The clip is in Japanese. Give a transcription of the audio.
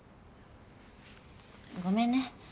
ごめんね。